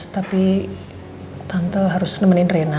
tapi tante harus nemenin rena